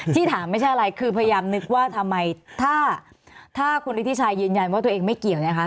ที่ถามไม่ใช่อะไรคือพยายามนึกว่าทำไมถ้าคุณฤทธิชัยยืนยันว่าตัวเองไม่เกี่ยวนะคะ